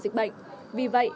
đột sức và